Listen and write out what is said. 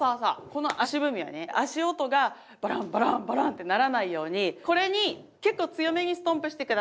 この足踏みはね足音がバランバランバランってならないようにこれに結構強めにストンプして下さい。